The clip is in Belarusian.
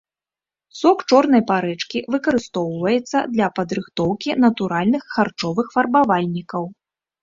Сок чорнай парэчкі выкарыстоўваецца для падрыхтоўкі натуральных харчовых фарбавальнікаў.